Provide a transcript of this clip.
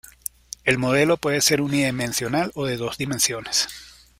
El modelo puede ser unidimensional o de dos dimensiones.